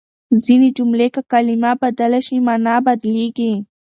ځينې جملې که کلمه بدله شي، مانا بدلېږي.